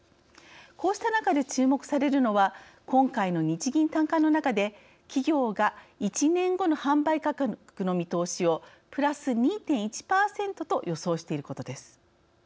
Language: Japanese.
こうした中で注目されるのは今回の日銀短観の中で、企業が１年後の販売価格の見通しをプラス２．１％と予想していることです。